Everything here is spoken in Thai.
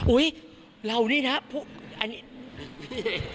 อุ๊ยเรานี่นะพี่เอก